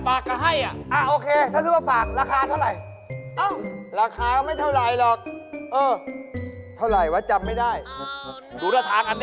เพราะดูแล้วของนานของนานน่าจะแพงกว่า